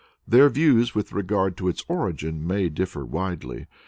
Their views with regard to its origin may differ widely.